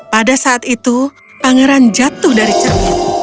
pada saat itu pangeran jatuh dari cermin